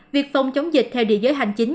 việc phòng chống dịch theo địa giới hành chính